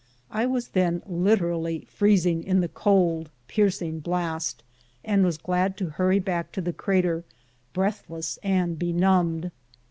I was then literally freezing in the cold, piercing blast, and was glad to hurrv back to the crater, breathless and benumbed.